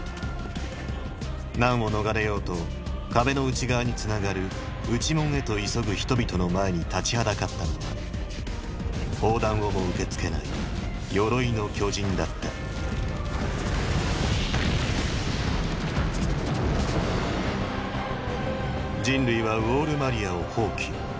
難を逃れようと壁の内側につながる内門へと急ぐ人々の前に立ちはだかったのは砲弾をも受けつけない「鎧の巨人」だった人類はウォール・マリアを放棄。